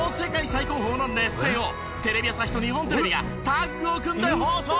最高峰の熱戦をテレビ朝日と日本テレビがタッグを組んで放送！